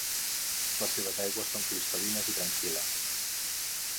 Les seves aigües són cristal·lines i tranquil·les.